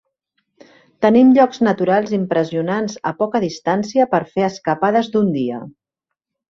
Tenim llocs naturals impressionants a poca distància per fer escapades d'un dia.